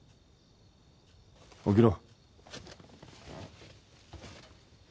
起きろ。